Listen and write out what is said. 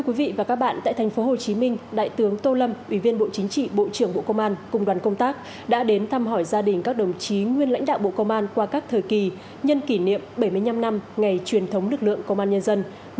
các bạn hãy đăng ký kênh để ủng hộ kênh của chúng mình nhé